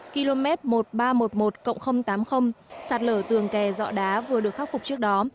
km một nghìn ba trăm một mươi một tám mươi sạt lở tường kè dọ đá vừa được khắc phục trước đó